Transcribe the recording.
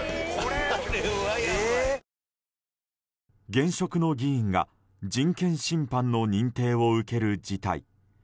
現職の議員が人権侵犯の認定を受ける事態。